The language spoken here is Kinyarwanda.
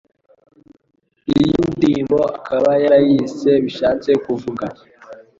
iyi ndirimbo akaba yarayise '' bishatse kuvuga